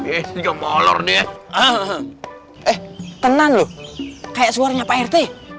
enggak molor dia tenang loh kayak suaranya prt